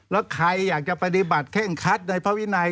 แล้วใครอยากจะปฏิบัติเคร่งคัดในพระวินัย